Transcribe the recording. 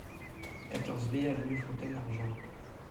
quatorze B avenue Fontaine-Argent